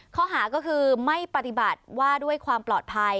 ข้อหาก็คือไม่ปฏิบัติว่าด้วยความปลอดภัย